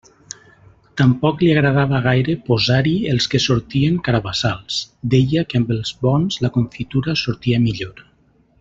Tampoc li agradava gaire posar-hi els que sortien carabassals: deia que amb els bons la confitura sortia millor.